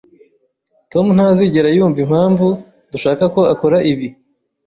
Tom ntazigera yumva impamvu dushaka ko akora ibi